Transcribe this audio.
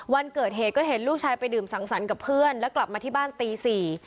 วันเกิดเหตุก็เห็นลูกชายไปดื่มสังสรรค์กับเพื่อนแล้วกลับมาที่บ้านตีสี่